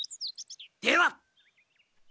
では！